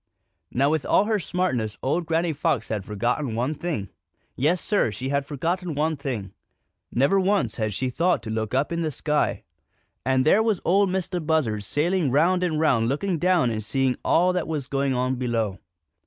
Now with all her smartness old Granny Fox had forgotten one thing. Yes, Sir, she had forgotten one thing. Never once had she thought to look up in the sky. And there was Ol' Mistah Buzzard sailing round and round and looking down and seeing all that was going on below.